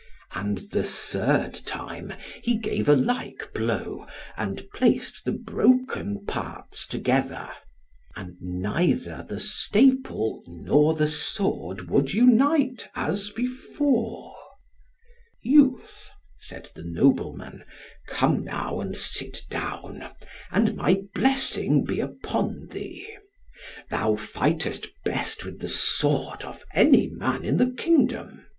And the third time he gave a like blow, and placed the broken parts together, and neither the staple nor the sword would unite, as before. "Youth," said the nobleman, "come now, and sit down, and my blessing be upon thee. Thou fightest best with the sword of any man in the kingdom.